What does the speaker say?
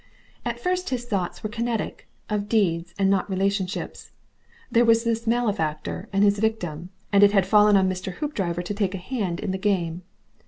At first his thoughts were kinetic, of deeds and not relationships. There was this malefactor, and his victim, and it had fallen on Mr. Hoopdriver to take a hand in the game.